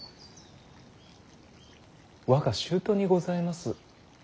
我が舅にございます。